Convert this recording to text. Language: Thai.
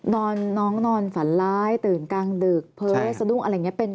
นอนน้องนอนฝันร้ายตื่นกลางดึกเพิร์สอะไรอย่างเงี้ย